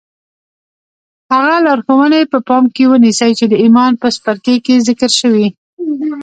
هغه لارښوونې په پام کې ونيسئ چې د ايمان په څپرکي کې ذکر شوې.